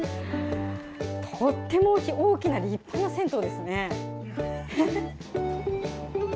とても大きな立派な銭湯ですね。